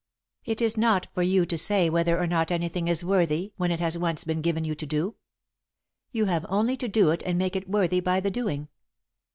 "It is not for you to say whether or not anything is worthy when it has once been given you to do. You have only to do it and make it worthy by the doing.